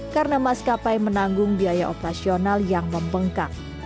karena maskapai menanggung biaya operasional yang membengkak